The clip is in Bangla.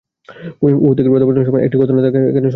উহুদ থেকে প্রত্যাবর্তন সময়ের একটি ঘটনা এখানে তাঁর স্মরণ হয়।